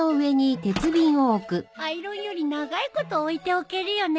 アイロンより長いこと置いておけるよね。